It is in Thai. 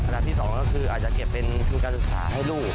ระดับที่๒ก็คืออาจจะเก็บเป็นทุกข์การศึกษาให้ลูก